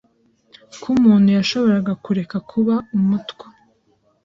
ko umuntu yashoboraga kureka kuba Umutwa